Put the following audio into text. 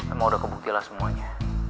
emang udah kebukti lah semuanya